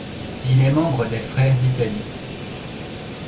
Il est membre des Frères d'Italie.